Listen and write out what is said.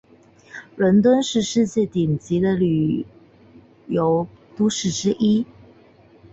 伦敦是世界顶尖的旅游都市之一。